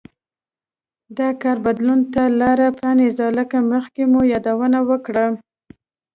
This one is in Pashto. دا کار بدلون ته لار پرانېزي لکه مخکې مو یادونه وکړه